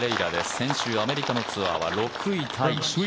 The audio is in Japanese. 先週、アメリカのツアーは６位タイ。